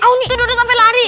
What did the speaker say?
aung duduk sampe lari